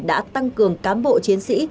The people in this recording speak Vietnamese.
đã tăng cường cám bộ chiến sĩ